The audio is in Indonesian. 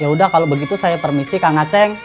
yaudah kalau begitu saya permisi kang aceh